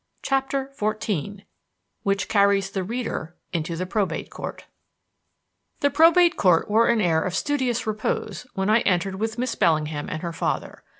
CHAPTER XIV WHICH CARRIES THE READER INTO THE PROBATE COURT The Probate Court wore an air of studious repose when I entered with Miss Bellingham and her father.